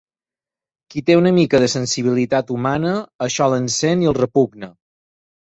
Qui té una mica de sensibilitat humana, això l’encén i el repugna.